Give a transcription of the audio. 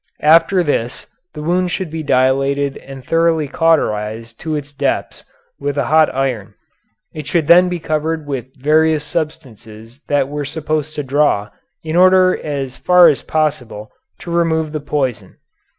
After this the wound should be dilated and thoroughly cauterized to its depths with a hot iron. It should then be covered with various substances that were supposed to draw, in order as far as possible to remove the poison.